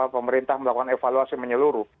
pemerintah melakukan evaluasi menyeluruh